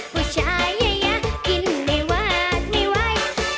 ผู้ชายยะยะกินไม่วาดไม่ไหว